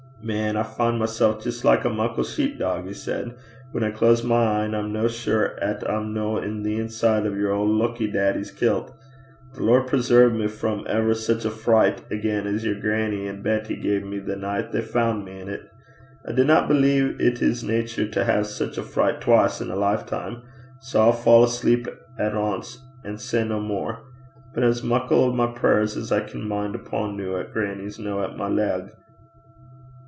'Man, I fin' mysel' jist like a muckle colley (sheep dog),' he said. 'Whan I close my een, I'm no sure 'at I'm no i' the inside o' yer auld luckie daiddie's kilt. The Lord preserve me frae ever sic a fricht again as yer grannie an' Betty gae me the nicht they fand me in 't! I dinna believe it's in natur' to hae sic a fricht twise in ae lifetime. Sae I'll fa' asleep at ance, an' say nae mair but as muckle o' my prayers as I can min' upo' noo 'at grannie's no at my lug.'